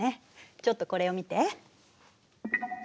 ちょっとこれを見て。